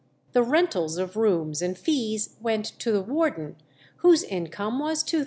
The rentals of rooms and fees went to the warden, whose income was £2372.